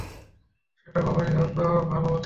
সেটা ভবানী হোক বা ভানুমতী!